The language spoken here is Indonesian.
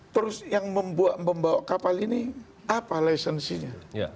terus yang membawa kapal ini apa lisensinya